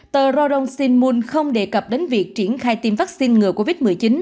tờ rodong shinmun không đề cập đến việc triển khai tiêm vaccine ngừa covid một mươi chín